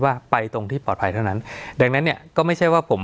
สวัสดีครับทุกผู้ชม